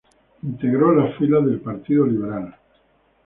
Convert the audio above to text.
Integró las filas del Partido Liberal.